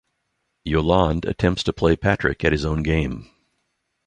Yolande attempts to play Patrick at his own game.